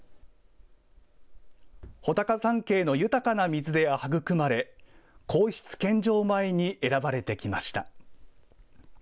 武尊山系の豊かな水で育まれ皇室献上米に選ばれてきました。